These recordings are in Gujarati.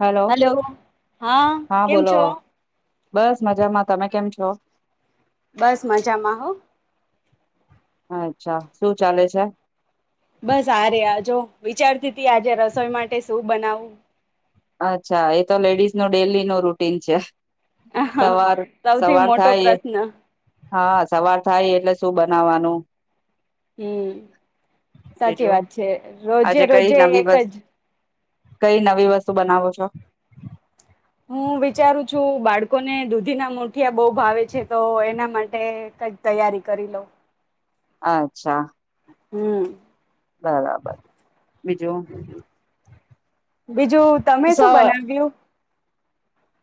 હેલો, હલો હા કેમ બોલો છો? બસ મજામાં તમે કેમ છો? છો? બસ મજામાં હો. અચ્છા શું ચાલે છે? બસ આ ર આ જો વિચારતી ત આજે રસોઈ માટે શું બનાવું. અચ્છા એતો લેડીઝ ન ડેલી નું રૂટીન છે. સવાર સૌથી સવાર મોટો થાય એ પ્રશ્ન હા સવાર થાય એટલે શું બનાવવાનું હમ્મ સાચી બીજું વાત છે રોજે આજે કઈ રોજે નવી એક વસ્ જ કઈ નવી વસ્તુ બનાવો છો. હું વિચારું છું બાળકોને દૂધીના મુઠિયા બહુ ભાવે છે તો એના માટે કંઈક તૈયારી કરી લોઉ અચ્છા હમ બરાબર બીજું બીજું તમે સ શું બનાવ્યું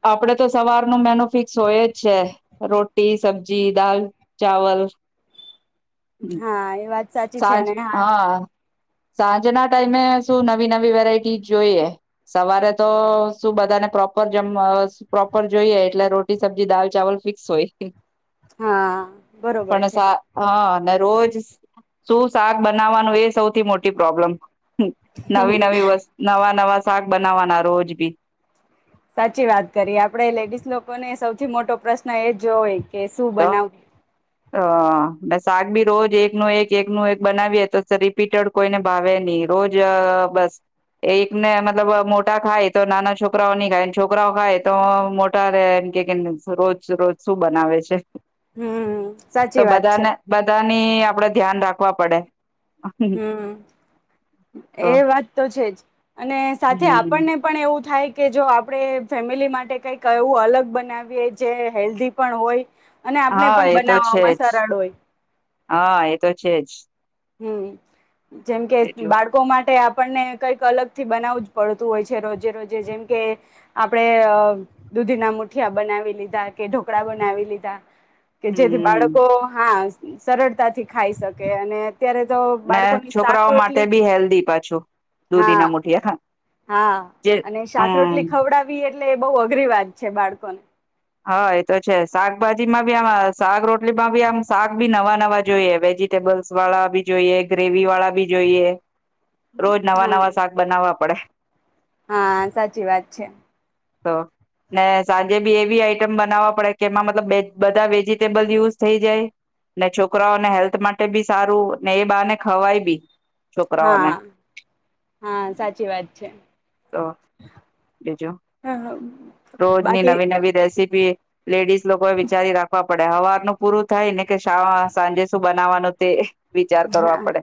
આપડે તો સવાર ન મેન ફિક્સ હોય જ છે રોટી સબજી દાલ ચાવલ હા એ વાત સાચી છે સાજ ને હા સાંજના ટાઈમે શું નવી નવી વેરાયટી જોઈએ સવારે તો શું બધાને પ્રોપર જમ પ્રોપર જોઈએ એટલે રોટી સબ્જી દાલ ચાવલ ફિક્સ હોય હા બરોબર પણ છે સા હા રોજ જ શું શાક બનાવવાનું એ સૌથી મોટી પ્રોબ્લમ હ નવી નવી વસ્ત નવા નવા શાક બનાવાના રોજ બી સાચી વાત કરીએ આપડે લેડીઝ લોકો ને સૌથી મોટો પ્રશ્ન એ જ હોય કે શું હ બનાવું હ શાક બી રોજ એકનું એક એકનું એક બનાવીએ તો રિપીટેડ કોઈને ભાવે નહી રોજ બસ એકને મતલબ મોટા ખાય તો નાના છોકરાઓ નહી ખાય છોકરાઓ ખાય તો મોટા ર એમ કેને રોજ રોજ શું બનાવે છે હમ સાચી વાત છે. ની આપડે ધ્યાન રાખવા પડે. હમ એ તો વાત તો છે જ અને સાથે હમ આપણને પણ એવું થાય કે જો આપણે ફેમિલી માટે કંઈક એવું અલગ બનાવીએ જે હેલ્ધી પણ હોય અને આપણે હા પણ એ તો છે બનાવવામાં જ સરળ હોય હા એ તો છે જ હમ જેમ કે બીજું બાળકો માટે આપ આપણને કંઈક અલગ થી બનાવું જ પડતું હોય છે રોજે રોજે જેમ કે આપણેે દૂધીના મુઠિયા બનાવી લીધા કે ઢોકળા બનાવી લીધા કે જેથી હમ બાળકો હા સરળતાથી ખાઈ શકે અને અત્યારે તો ને બાળકોની શાક છોકરાઓ માટે રટલી બી હેલ્ધી પાછું હા દૂધીના મુઠિયા હા જે અને શાક હમ રટલી ખવડાવી એટલે એ બહુ અઘરી વાત છે બાળકો ને હા એ તો છે શાકભાજી માં બી આમ શાક રોટલી માં બી આમ શાક ભી નવા નવા જોઈએ વેજીિટેબલ્સ વાળા બી જોઈએ ગ્રેવી વાળા જોઈએ રોજ નવા હા નવા શાક બનાવવા પડે હા સાચી વાત છે તો ને સાંજે બી એવી આ આમ બનાવવા પડે કે એમાં મતલબ બધા વેજીિટેબલ યુઝ થઈ જાય ને છોકરાઓને હેલ્થ માટે બી સારું એ બારને ખવાય બી. હા છોકરાઓને હા સાચી વાત છે. તો બીજુ હ રોજની નવી નવી રેસીપી લેડીઝ લોકો એ વિચારી રાખવા પડે હવારનું પૂરું થાય ને કે શા સાંજે શું બનાવાનું તે. વિચાર કરવા હા પડે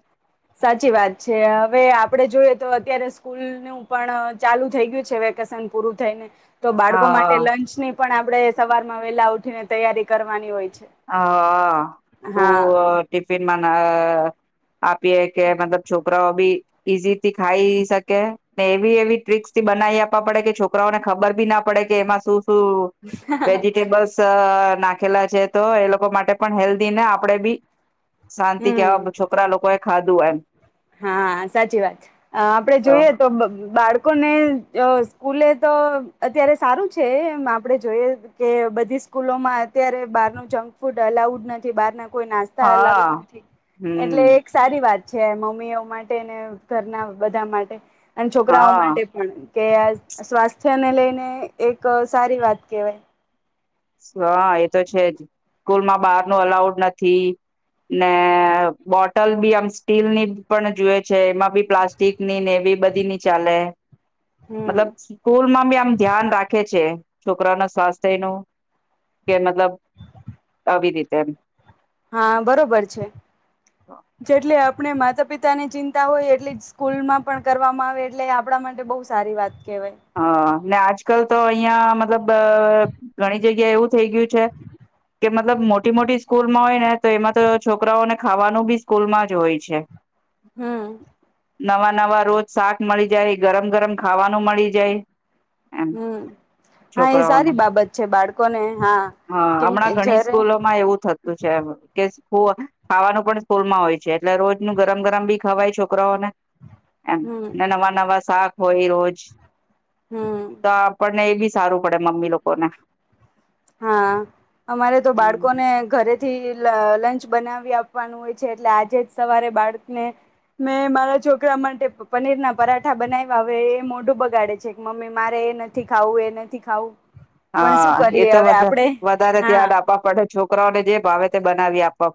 સાચી વાત છે હવે આપ પડે જોઈએ તો અત્યારે સ્કૂલ નું પણ ચાલુ થઈ ગયું છે વેકેશન પૂરું થઈને. તો બાળકો માટે હા લંચ ની પણ આપડે સવાર માં વેલા ઉ ઠીને તૈયારી કરવાની હોય છે હ હા તું ટિફિન મા ન. હા આપીએ કે મતલબ છોકરાઓ બ ઈઝીથી ખાઈ શકે ને એવી એવી ટ્રીકસથી બનાવી આપવા પડે કે છોકરાઓને ખબર બી ના પડે કે એમાં શું વેજીિટેબલ્સ નાખેલા છે. તો એ લોકો માટે પણ હેલ્ધી ને આપડે બી શાંતિ હમ કેવા છોકરા લોકો ખાધું એમ. હા સાચી વાત આપડે જોઈએ તો બાળકો લોકોને સ્કૂલે તો અત્યારે સારું છે એમ આપણે જોઈએ કે બધી સ્કૂલોમાં અત્યારે બહારનું જંક ફૂડ અલાઉડ નથી બહારના કોઈ નાસ્તા અલાવ હા નથી, હમ એટલે એક સારી વાત. છે મમ્મ મમીઓ માટે ઘરના બધા માટે. અને છોકરાઓ હા માટે પણ. કે સ્વાસ્થ્યને લઈને એક સારી વાત કેહેવાય. હા એ તો છે જ સ્કૂલમાં બહાર ન અલાઉડ નથી, ને બોટલ બી આમ સ્ટીલની પણ જોએ છે એમાં બી પ્લાસ્ટિકની ને એવી બધીની ચાલે. હમ મતલબ સ્કૂલમાં બી આમ ધ્યાન રાખે છે. છોકરા ના સ્વાસ્થ્યનો. કે મતલબ આવી રીતે. હા બરોબર છે. જેટલે આપણે માતા પિતાની ચિંતા હોય એટલે સ્કૂલમાં પણ કરવામાં આવે એટલે આપણા માટે બહુ સારી વાત કેવાય. અ કલ તો અહીયા મતલબ બ ગણિત જગ્યા એવું થઈ ગયું છે કે મતલબ મોટી મોટી સ્કૂલમાં હોય ને તો એમાં તો છોકરાઓને ખાવાનું બી સ્કૂલમાં જ હોય છે હમ નવા નવા રોજ શાક મળી જાય ગરમ ગરમ ખાવાનું મળી જ જય એમ હમ હા એ છોકરાઓને સારી બાબત છે બાળકોને હા હ કેમ હમણાં કે ઘણી જ્યારે સ્કૂલોમાં એવું થતું છે કે ખાવાનું પણ સ્કૂલમાં હોય છે એટલે રોજ ન ગરમ ગરમ બી ખવાય છોકરાઓને એમ હમ નવા નવા શાક હોય રોજ હમ તો આપણને એ બી સારું પડે મમ્મી લોકો ને હા અમારે તો બાળકોને ઘરે થી લંચ બનાવી આપવાનું હોય છે એટલે આજે જ સવારે બાળકને મેં મારા છોકરા માટે પનીર ના પરાઠા બનાવ્યા હ એ મોઢું બગાડે છે કે મમ્મી મારે એ નથી ખાવું એ નથી ખાવું પણ હા શું એ કરીએ તો હવે આપડે વધારે હા ત્યાન આપવા પડે છોકરાઓને જે ભાવે તે બનાવી આપ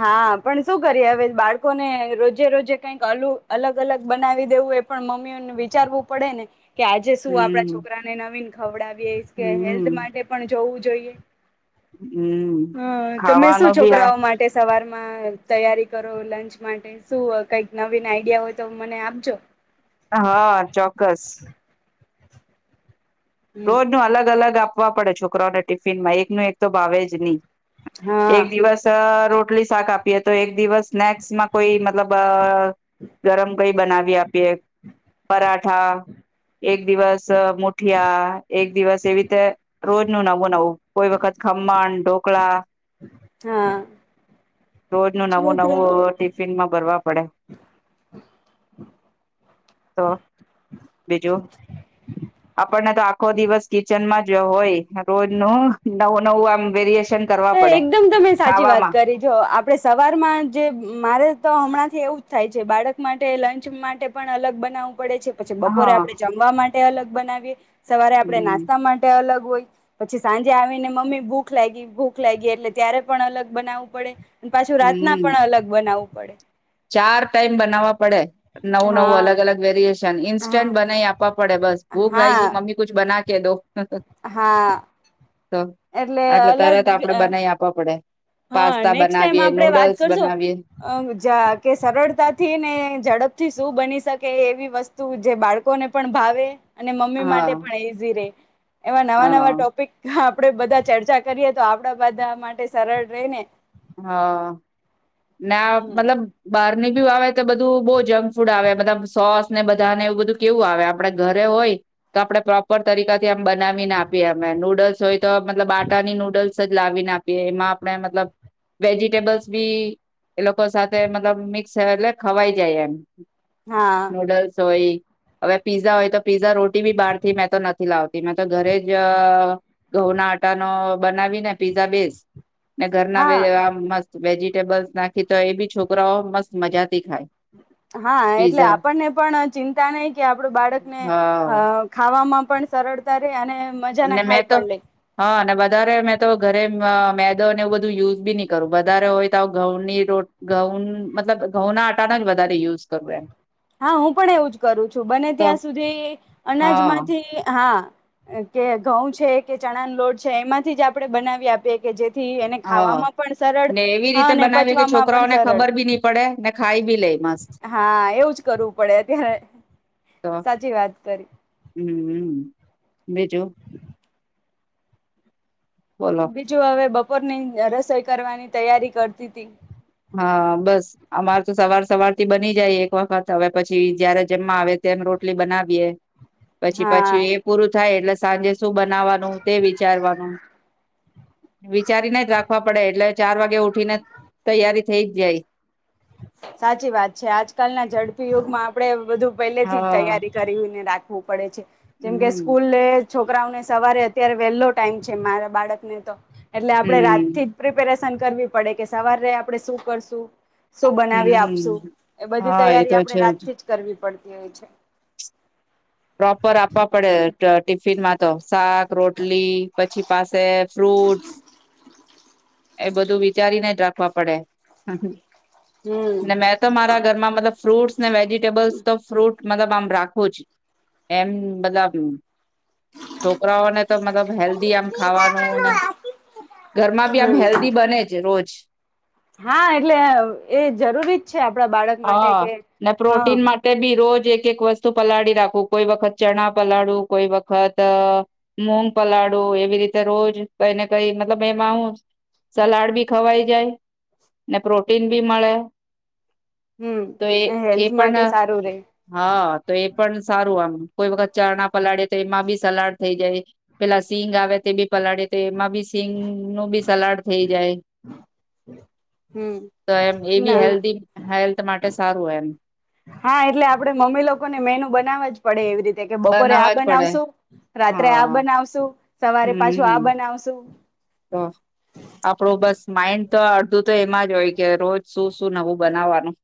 હા પણ શું કરીએ હવે બાળકોને રોજે રોજે કઈક અલું અલગ અલગ બનાવી દેવું એ પણ મમ્મીઓને વિચારવું પડે ને કે આજે શું આપડા હમ છોકરા ને નવીન ખવડા કે હેલ્થ હમ માટે પણ જવું જોઈએ હમ હ તમે ખાવાનો શું ભી આ છોકરાઓ માટે સવારમાં તૈયારી કરો લંચ માટે શું કઈક નવીન આઈડિયા હોય તો મને આપજો હા ચોક્કસ હમ રોજ નું અલગ અલગ આપ વા પડે છોકરોને ટિફિન માં એક ન એક તો ભાવે જ નહી એક હા દિવસ રો રટલી શાક આપીએ તો એક દિવસ સ્નેક્સ માં કોઈ મતલબ ગરમ કઈ બનાવી આપીએ પરાઠા એક દિવસ મુઠિયા એક દિવસ એવીીતે રોજ ન નવું નવું કોઈ વખત ખમણ ઢોકળા હા રોજ ન નવું છોકરા નવું ટિફિનમાં બરવા તો બીજું આપણને ો દિવસ કિચનમાં જ હોય રોજ નું નવું નવું આમ વેરએ એકદમ તમે સાચી વાત કરી જો આપડે સવારમાં જે મારે તો હમણાં એવું જ થાય છે બાળક માટે લંચ માટે પણ અલગ બનાવ પડે છે, પછી બપોરે હા આપડણે જમવા માટે તે અલગ બનાવીએ. સવારે આપડે હમ નાસ્તા માટે અલગ પછી સાંજે આવીને મમ્મી ભૂખ લાગી ભૂ લાગી એટલે ત્યારે પણ અલગ બનાવવું પડે. પાછું રાતના હમ પણ અલગ બનાવું. પડે. ચાર ટાઈમ બનાવવા પડે. નવું નવું અલગ હા અલગ વેરિયેશન અન હા ઇન્સ્ટન્ટ બનાઈ આપવા પડે બસ ભૂખ લાયગી હા મમ્મી કુછ બના કે દો. હા. તો એટલે આટલા તરત અલગ આપડે અ બનાઈ આપવા પડે. હા, પાસ્તા નેક્સ્ટ ટાઈમ બનાવીએ આપડે વાત નૂડલ્સ કરશો બનાવીએ અહ જા કે સરળતાથી ને ઝડપથી શું બની શકે એવી વસ્તુ જે બાળકોને પણ ભાવે અને મમ્મી હા માટે પણ ઈઝી રે. એવા નવા નવા હા ટોપિક હાપ પડે બધા ચર્ચા કરીએ તો આપડા બધા માટે સરળ રેહ ને. હા. ના મતલબ બાર ની બી આવે તો બધું બહુ જંક ફૂડ આવે મલબ સોસ ને બધાને એવું બધું કેવું આવે આપડે ઘરે હોય તો આપડે પ્રોપર તરીકાથી આમ બનાવીને આપીએ અમે નૂડલ્સ હોય તો મતલબ આટાની નૂડલ્સ અજ લાવીને આપીએ એમાં આપડે મતલબ વેજીિટેબલ્સ બી એ લોકો સાથે મતલબ મિક્સ એટલે ખવાઈ જાય એમ. હા નૂડલ્સ હોય હવે પીઝા હોય તો પીઝા રોટી બી બહારથી મેં તો નથી લાવતી મેં તો ઘરે જ અહ ઘઉંના આટાનો બનાવી ને પીઝા બેસ ને ઘરના વે હા આમ મસ્ત વેજિટેબલ્સ નાકી તો એ બી છોકરાઓ મસ્ત મજા હા એટલે આપણને પણ ચિંતા નહિ કે આપડું બાળકને અ હા ખાવામાં પણ સરળતા રે અને મજાના મેં ખાઈ તો પણ લે હ અને બ ત્યારે મેં તો ઘરે મ મેદો અને એવું બધું યુઝ બી ન કરું વધારે હોય તો આવ ઘઉંની રોટ ઘઉં મતલબ ઘઉંના આટાના જ વધારે યુઝ કરવું એમ. હા હું પણ એવું જ કરું છું બને તો ત્યાં સુધી હા અનાજમાંથી હા. કે ઘઉં છે કે ચણા ન લોડ છે એમાંથી જ આપણે બનાવી આપીએ કે જે હ ને એવી હા રીતે અને બનાવી કે પચવામાં પણ છોકરાઓને સરળ ખબર ભી નહી પડે ને ખાઈ બી લે મસ્ત. ઉઠવું પડે ત્યારે તો સાચી વાત કરી. હમ બીજુ. બોલો બીજું હવે બપ ઉપોરની અ રસોઈ કરવાની તૈયારી કરતી તી. હા બસ અમારે તો સવાર-સવાર થી બની જાય એક વખત હવે પછી જયારે જમવા આવે ત્યારે રોટલી બનાવીએ. પછી હા પછી એ પૂરું થાય એટલે સાંજે શું બનાવવાનું તે વિચારવાનું. વિચારીને જ રાખવા પડે એટલે ચાર વાગે ઉઠીને તૈયારી થઇ જ જાય. સાચી વાત છે આજકાલના ઝડપી યુગમાં આપડે બધું પેલેથી જ હા તૈયારી કરીને રા વું પડે છે. જેમ કે હમ સ્કૂલે છોકરાઓને સવારે અત્યારે વેહેલો ટાઈમ છે મારા બાળકને તો એટલે આપડે હમ રાતથી જ પ્રિપેરેસ પસંદ કરવી પડે કે સવારે આપડણે શું કરશું. શું બનાવી આપશું હમ એ બધી હા એ તૈયારી તો આપણે છે રાતથી જ કરવી પડે. ય છે. પ્રોપર આપવા પડે ટ ટિફિનમાં તો શાક, રોટલી પછી પાસે ફ્રૂટસ એ બધું વિચારીને જ રાખવા પડે. હમ હ મેં તો મારા ઘરમાં મતલબ ફ્રૂટસ ને વેજીિટેબલ્સ તો ફ્રૂટ મતલબ આમ રાખું જ. એમ બદમ છોકરાઓને તો મતલબ હેલ્ધી આમ ખાવાનું ને ઘરમાં બી આમ હમ હેલ્ધી બને જ રોજ. હા એટલે એ જરૂરી જ છે આપણા બાળક માટે કે હા. એજ-એક વસ્તુ પલાળી રાખ કોઈ વખત ચણા પલાળું કોઈ વખત મૂગ પલાળું એવી રીતે રોજ કઈ ને કઈ મતલબ એમાં હું સલાડ બી ખવાઈ જાય ને પ્રોટીન બી મળે. હમ તો એ એ હેલ્થ માટે પણ સારું રે હા તો એ પણ સારું આમ કોઈ વખત ચરણા પલાડે તો એમાં બી સલાડ થઈ જાય પેલા સિંગ આવે તે બી પલાળે તે એમાં બી સિંગ નું બી સલાડ થઈ જાય હમ તો એમ એ ના બી હેલ્ધ હેલ્ માટે સારું હોય એમ હા એટલે આપડે મમ્મી લોકો ને મેનુ બનાવવા જ પડે એવી રીતે તે કે બપોરે આ બનાવવા જ પડે બનાવશુ રાત્રે આ હા બનાવશું સવારે પાછું આ હમ બનાવશું. તો આપડો બસ માઇન્ડ તો અડધું તો એમાં જ હોય કે રોજ શું શું નવું બનાવવાનું.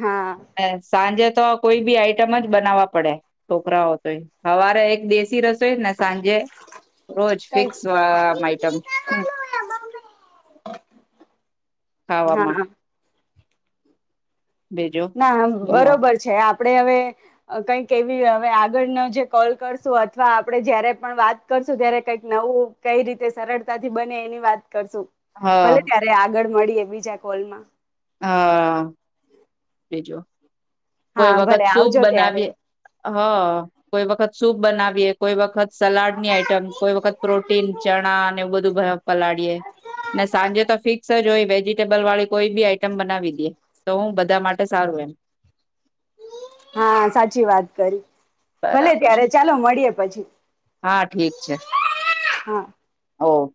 હા હ સાંજે તો આ કોઈ બી આઈટમ જ બનાવવા પડે. છોકરાઓ તોય હવારે એક દેશી રસ સાંજે રોજ ફિક્સહ કઈક હમ ખાવામાં હા બીજું ના બોલો બરોબર છે આપ આપણે હવે કંઈક એવી હવે આગળનો જે કોલ કરશું અથવા આપણે જયારે પણ વાત કરશું ત્યારે કઈક નવું કઈ રીતે સરળતાથી બને એની વાત કરશું હા ભલે ત્યારે આગળ મળી બીજા કોલમાં હા. જો કોઈ હા વખત ભલે સુૂપ આવજો બનાવીએ ત્યારે હ કોઈ વખત સૂપ બનાવીએ કોઈ વખત સલાડ ની આઈટમ કોઈ વખત પ્રોટીન ચણા એવું બધું પલાડીયે ને સાંજે તો ફિક્સ જ હોય વેજીિટેબલ વાળી કોઈ બી આ મ બનાવી દે તો હું બધા માટે સારું એમ. હા સાચી વાત કરી ભલે બરાબર ત્યારે ચાલો મળીએે પછી. હા હા. ઓ!